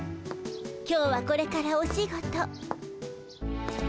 今日はこれからお仕事。